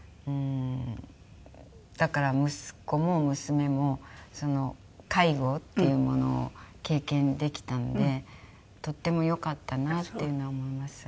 だから息子も娘も介護というものを経験できたのでとってもよかったなっていうのは思います。